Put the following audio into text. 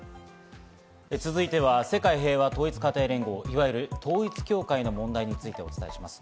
続いては世界平和統一家庭連合、いわゆる統一教会の問題についてお伝えします。